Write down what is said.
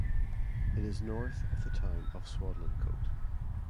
It is north of the town of Swadlincote.